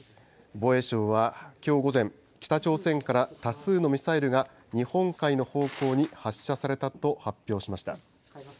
防衛省はきょう午前、北朝鮮から多数のミサイルが日本海の方向に発射されたと発表しました。